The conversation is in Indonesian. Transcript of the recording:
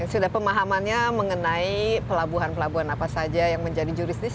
sudah pemahamannya mengenai pelabuhan pelabuhan apa saja yang menjadi juridis